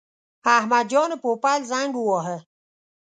احمد جان پوپل زنګ وواهه.